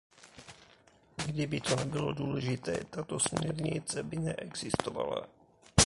Kdyby to nebylo důležité, tato směrnice by neexistovala.